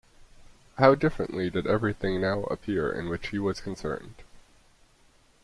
How differently did everything now appear in which he was concerned!